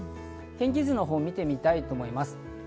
天気図を見てみたいと思います。